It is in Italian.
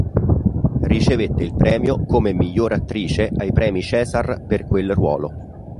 Ricevette il premio come Miglior Attrice ai Premi César per quel ruolo.